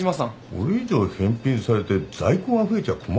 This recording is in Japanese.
これ以上返品されて在庫が増えちゃ困るだろ。